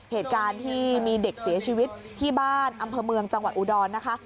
เหตุการณ์ที่มีเด็กเสียชีวิตที่บ้านอำเภอเมืองจังหวัดอุดรนะคะ